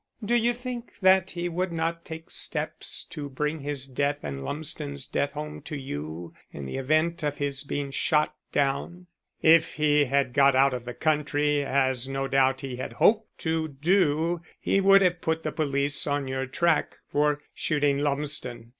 "Do you think that he would not take steps to bring his death and Lumsden's death home to you in the event of his being shot down? If he had got out of the country, as no doubt he had hoped to do, he would have put the police on your track for shooting Lumsden.